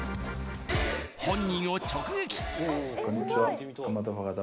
本人を直撃！